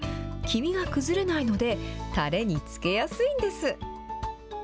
黄身が崩れないので、たれに漬けやすいんです。